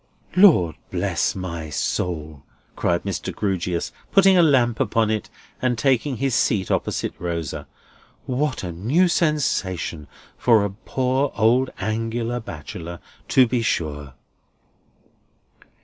"Lord bless my soul," cried Mr. Grewgious, putting the lamp upon it, and taking his seat opposite Rosa; "what a new sensation for a poor old Angular bachelor, to be sure!"